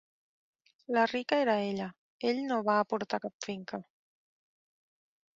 La rica era ella: ell no va aportar cap finca.